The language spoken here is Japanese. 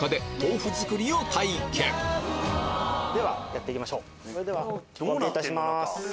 やって行きましょうそれではお開けいたします。